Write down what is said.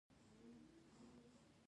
ویروسونه د فلتر کېدو وړ نه دي.